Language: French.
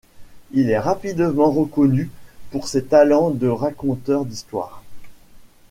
Il est rapidement reconnu pour ses talents de raconteur d’histoire.